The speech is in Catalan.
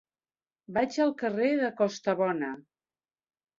Vaig al carrer de Costabona.